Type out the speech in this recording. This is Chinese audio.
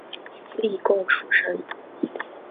例贡出身。